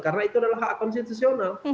karena itu adalah hak konstitusional